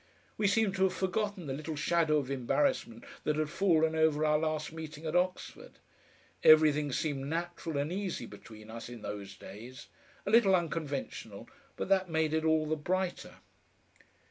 We seemed to have forgotten the little shadow of embarrassment that had fallen over our last meeting at Oxford. Everything seemed natural and easy between us in those days; a little unconventional, but that made it all the brighter.